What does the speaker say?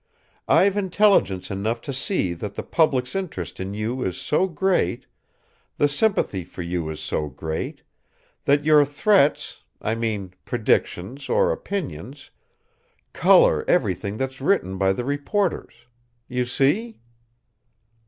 I've intelligence enough to see that the public's interest in you is so great, the sympathy for you is so great, that your threats I mean, predictions, or opinions colour everything that's written by the reporters. You see?"